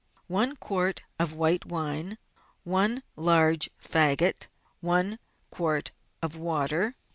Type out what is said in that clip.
I quart of white wine. i large faggot. I quart of water.